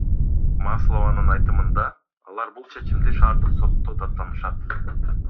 Маслованын айтымында, алар бул чечимди шаардык сотто даттанышат.